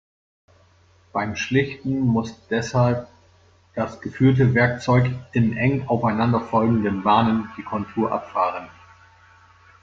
Beim Schlichten muss deshalb das geführte Werkzeug in eng aufeinanderfolgenden Bahnen die Kontur abfahren.